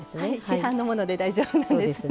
市販のもので大丈夫なんです。